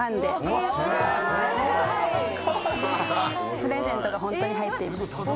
・プレゼントがホントに入ってる。